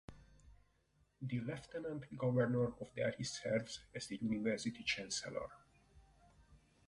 The Lieutenant Governor of Delhi serves as the University chancellor.